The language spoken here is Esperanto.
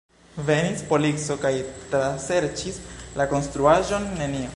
Venis polico kaj traserĉis la konstruaĵon: nenio.